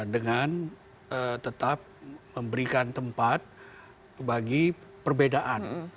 dengan tetap memberikan tempat bagi perbedaan